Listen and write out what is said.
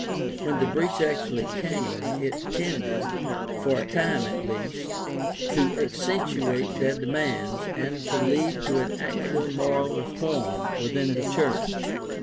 When the breach actually came it tended, for a time at least, to accentuate their demands and to lead to an actual moral reform within the church.